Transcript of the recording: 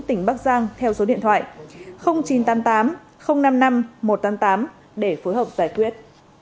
tỉnh bắc giang theo số điện thoại chín trăm tám mươi tám năm mươi năm một trăm tám mươi tám để phối hợp giải quyết